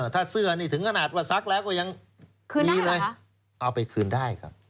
ถ้าเสื้อนี่ถึงขนาดว่าซักแล้วก็ยังมีเลยเอาไปคืนได้ครับ